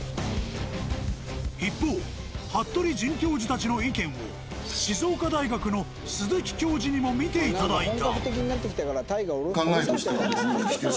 一方服部准教授たちの意見を静岡大学の鈴木教授にも見ていただいた。